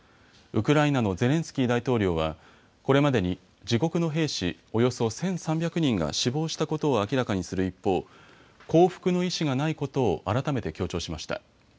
ウクライナのゼレンスキー大統領はこれまでに自国の兵士、およそ１３００人が死亡したことを明らかにする一方、降伏の意思がないことを改めて強調しました。